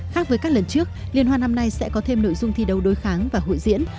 khác với các lần trước liên hoan năm nay sẽ có thêm nội dung thi đấu đối kháng và hội diễn